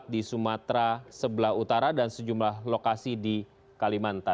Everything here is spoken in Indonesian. di sumatera sebelah utara dan sejumlah lokasi di kalimantan